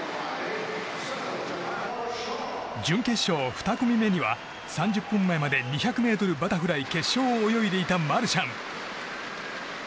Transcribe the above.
準決勝２組目には、３０分前まで２００ｍバタフライ決勝を泳いでいたマルシャン。